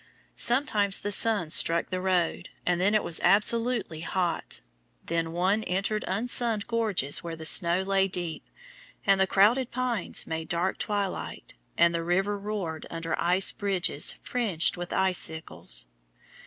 Sometimes the sun struck the road, and then it was absolutely hot; then one entered unsunned gorges where the snow lay deep, and the crowded pines made dark twilight, and the river roared under ice bridges fringed by icicles.